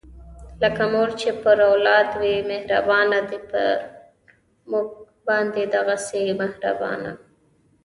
لکه مور چې پر اولاد وي مهربانه، دی پر مونږ باندې دغهسې مهربانه